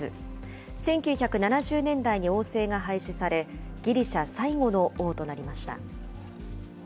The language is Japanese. １９７０年代に王制が廃止され、ギリシャ最後の王となりました。